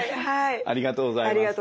ありがとうございます。